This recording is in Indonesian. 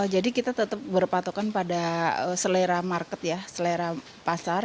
jadi kita tetap berpatokan pada selera market ya selera pasar